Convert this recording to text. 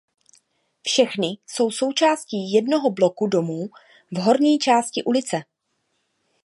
Všechny jsou součástí jednoho bloku domů v horní části ulice.